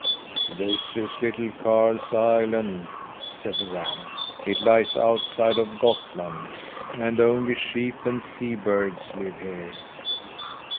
"This is Little Karl's Island!" said the ram. "It lies outside of Gottland, and only sheep and seabirds live here."